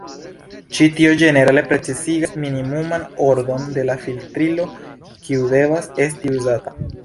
Ĉi tio ĝenerale precizigas minimuman ordon de la filtrilo kiu devas esti uzata.